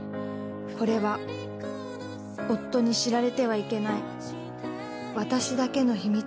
これは夫に知られてはいけない私だけの秘密。